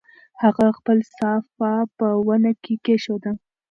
هغه خپله صافه په ونه کې کېښوده.